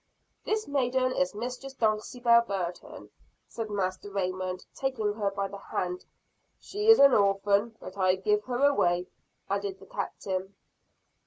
"This maiden is Mistress Dulcibel Burton," said Master Raymond, taking her by the hand. "She is an orphan; but I give her away," added the Captain.